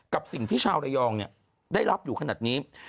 กับสิ่งที่ชาวระยองได้รับอยู่ขนาดนี้